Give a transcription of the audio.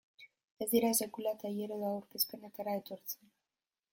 Ez dira sekula tailer edo aurkezpenetara etortzen.